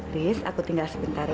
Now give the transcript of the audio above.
riz aku tinggal sebentar ya